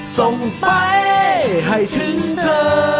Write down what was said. ส่งไปให้ถึงเธอ